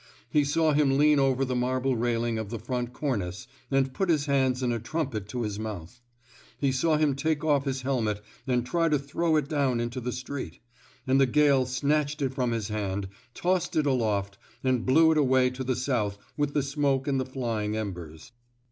He saw him lean over the marble railing of the front cornice, and put his hands in a trum pet to his mouth. He saw him take off his helmet and try to throw it down into the street; and the gale snatched it from his hand, tossed it aloft, and blew it away to the south with the smoke and the flying embers.